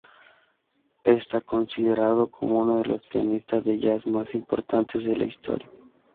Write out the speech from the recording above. Está considerado como uno de los pianistas de "jazz" más importantes de la historia.